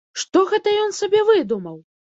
Што гэта ён сабе выдумаў?